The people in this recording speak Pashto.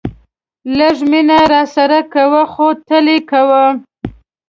لږ مینه راسره کوه خو تل یې کوه.